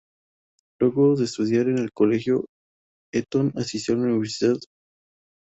Luego de estudiar en el Colegio Eton, asistió a la Universidad St.